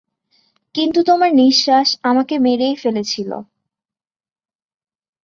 কিন্তু তোমার নিঃশ্বাস আমাকে মেরেই ফেলেছিল।